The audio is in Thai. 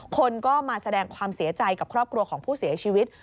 คนก็มาแสดงความเสียใจกับครอบครัวของผู้เสียชีวิต